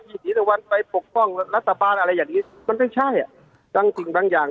ศรีตะวันไปปกป้องรัฐบาลอะไรอย่างนี้มันไม่ใช่อ่ะบางสิ่งบางอย่าง